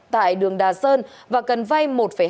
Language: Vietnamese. tại đường đà sơn và cần vai